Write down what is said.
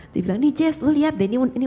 dia bilang nih jess lo liat deh ini